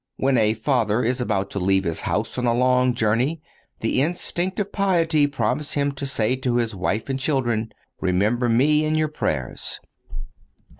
When a father is about to leave his house on a long journey the instinct of piety prompts him to say to his wife and children: "Remember me in your prayers."